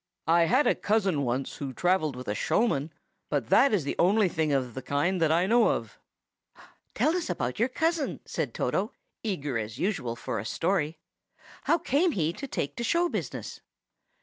I had a cousin once who travelled with a showman, but that is the only thing of the kind that I know of." "Tell us about your cousin!" said Toto, eager, as usual, for a story. "How came he to take to the show business?"